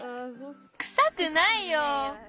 くさくないよ。